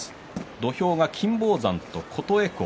土俵は金峰山と琴恵光。